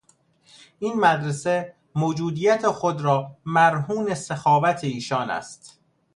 این مدرسه موجودیت خود را مرهون سخاوت ایشان است.